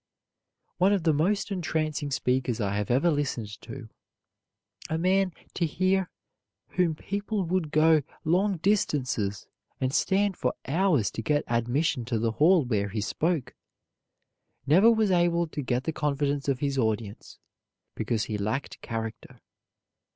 One of the most entrancing speakers I have ever listened to a man to hear whom people would go long distances and stand for hours to get admission to the hall where he spoke never was able to get the confidence of his audience because he lacked character.